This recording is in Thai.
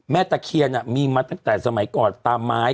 ตะเคียนมีมาตั้งแต่สมัยก่อนตามไม้